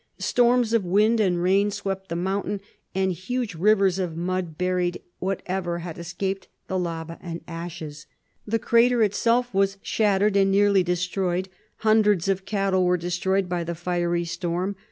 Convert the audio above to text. Storms of wind and rain swept the mountain, and the huge rivers of mud buried whatever had escaped the lava and ashes. The crater itself was shattered and nearly destroyed. Hundreds of cattle were destroyed by the fiery storm.